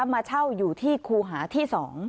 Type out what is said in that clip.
มาเช่าอยู่ที่คูหาที่๒